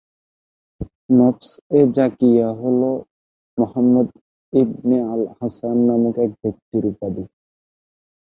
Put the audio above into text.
নফস-এ-জাকিয়াহ হল Muhammad ibn al Hasan নামক এক ব্যক্তির উপাধি।